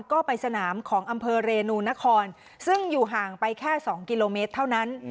ก็ไปสนามของอำเภอเรนูนครซึ่งอยู่ห่างไปแค่๒กิโลเมตรเท่านั้น